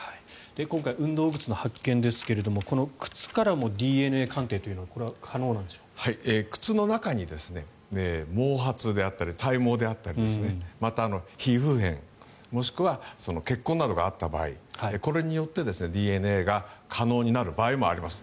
今回、運動靴の発見ですが靴からもＤＮＡ鑑定というのは靴の中に毛髪であったり体毛であったりまた、皮膚片もしくは血痕などがあった場合これによってＤＮＡが可能になる場合もあります。